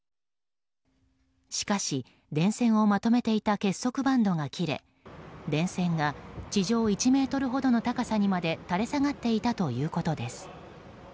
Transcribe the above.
しかし、電線をまとめていた結束バンドが切れ電線が地上１ｍほどの高さにまで垂れ下がっていたということです。